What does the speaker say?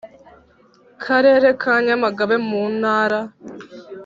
Karere ka Nyamagabe mu Ntara